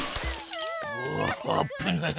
うわあぶない。